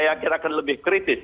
saya yakin akan lebih kritis